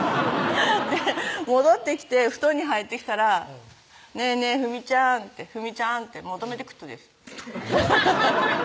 戻ってきて布団に入ってきたら「ねぇねぇふみちゃんふみちゃん」って求めてくっとです